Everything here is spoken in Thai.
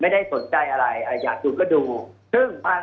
ไม่สนใจอะไรอยากดูก็ดู